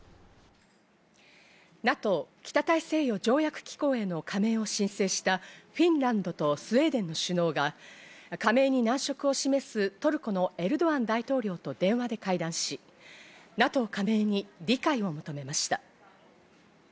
ＮＡＴＯ＝北大西洋条約機構への加盟を申請したフィンランドとスウェーデンの首脳が加盟に難色を示すトルコのエルドアン大統領と電話で会談し、ＮＡＴＯ加盟に理解を求めました。